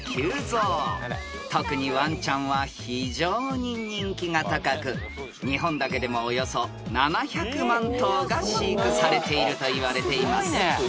［特にワンちゃんは非常に人気が高く日本だけでもおよそ７００万頭が飼育されているといわれています］